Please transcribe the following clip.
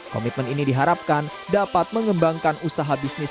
komitmen ini diharapkan dapat mengembangkan usaha bisnis